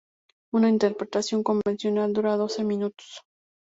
Una interpretación convencional dura doce minutos.